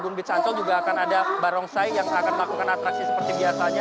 di kawasan ancol juga akan ada barongsai yang akan melakukan atraksi seperti biasanya